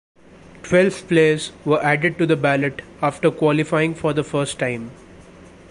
Twelve players were added to the ballot after qualifying for the first time.